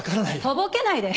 とぼけないで。